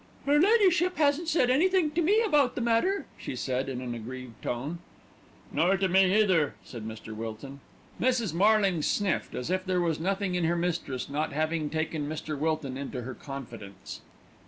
"Her ladyship hasn't said anythink to me about the matter," she said in an aggrieved tone. "Nor me either," said Mr. Wilton. Mrs. Marlings sniffed, as if there was nothing in her mistress not having taken Mr. Wilton into her confidence.